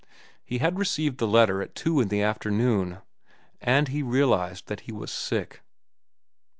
He had received the letter at two in the afternoon, and he realized that he was sick.